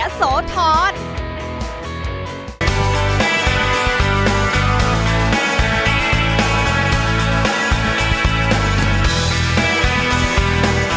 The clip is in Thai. ออกไปดูให้รู้ออกไปสัมผัสสิ่งใหม่